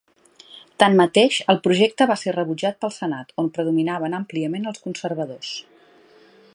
Tanmateix el projecte va ser rebutjat pel Senat, on predominaven àmpliament els conservadors.